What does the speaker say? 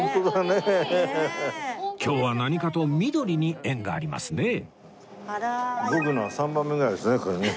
今日は何かと緑に縁がありますね